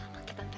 lepas itu tante